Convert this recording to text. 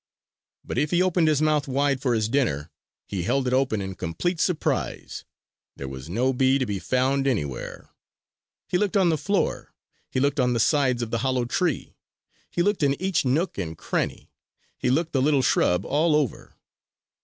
But if he opened his mouth wide for his dinner, he held it open in complete surprise. There was no bee to be found anywhere! He looked on the floor. He looked on the sides of the hollow tree. He looked in each nook and cranny. He looked the little shrub all over.